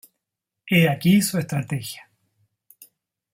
He aquí su estrategia.